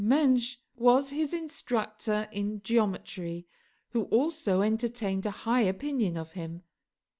Menge was his instructor in geometry, who also entertained a high opinion of him.